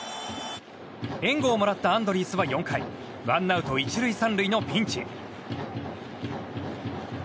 援護をもらったアンドリースは４回ワンアウト１塁３塁のピンチ。